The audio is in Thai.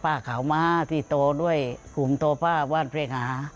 ป้าขาวม้าที่โตด้วยภูมิโตป้าว่านเพลงหา